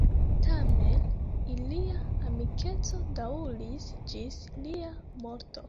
Tamen ilia amikeco daŭris ĝis lia morto.